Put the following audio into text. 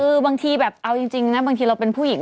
คือบางทีแบบเอาจริงนะบางทีเราเป็นผู้หญิง